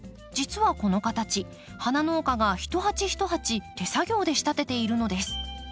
実はこの形花農家が一鉢一鉢手作業で仕立てているのです。